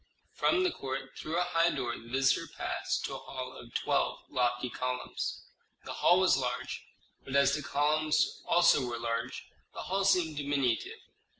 From the court, through a high door, the visitor passed to a hall of twelve lofty columns. The hall was large, but as the columns also were large, the hall seemed diminutive.